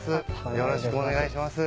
よろしくお願いします。